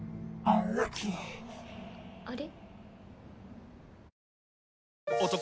あれ？